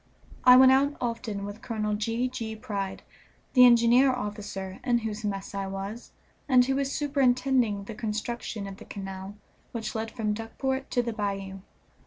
I went out often with Colonel G. G. Pride, the engineer officer, in whose mess I was, and who was superintending the construction of the canal which led from Duckport to the bayou.